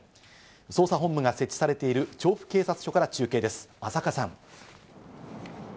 捜査本部が設置されている調布警察署から中継です、浅賀さん。